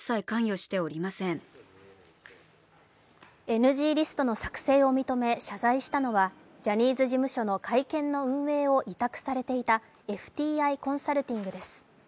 ＮＧリストの作成を認め謝罪したのはジャニーズ事務所の会見の運営を委託されていたＦＴＩコンサルティングです。